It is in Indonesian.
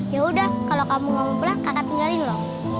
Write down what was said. yaudah kalau kamu gak mau pulang kakak tinggalin lo